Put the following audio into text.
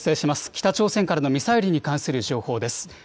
北朝鮮からのミサイルに関する情報です。